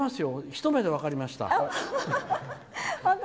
一目で分かりました。